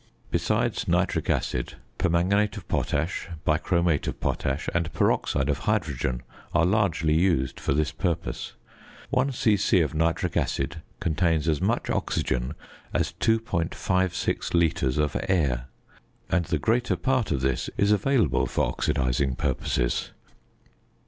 Besides nitric acid, permanganate of potash, bichromate of potash, and peroxide of hydrogen are largely used for this purpose. One c.c. of nitric acid contains as much oxygen as 2.56 litres of air, and the greater part of this is available for oxidising purposes.